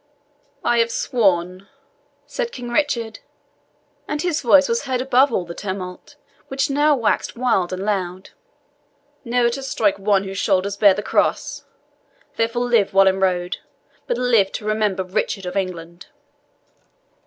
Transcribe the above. "I have sworn," said King Richard and his voice was heard above all the tumult, which now waxed wild and loud "never to strike one whose shoulder bears the cross; therefore live, Wallenrode but live to remember Richard of England."